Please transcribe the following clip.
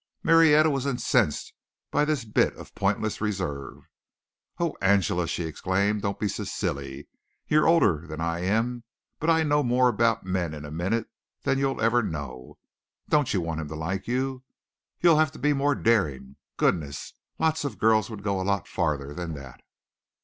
Marietta was incensed by this bit of pointless reserve. "Oh, Angela," she exclaimed, "don't be so silly. You're older than I am, but I know more about men in a minute than you'll ever know. Don't you want him to like you? You'll have to be more daring goodness! Lots of girls would go a lot farther than that."